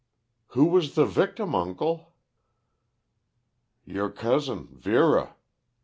"Who was the victim, uncle?" "Your cousin, Vera.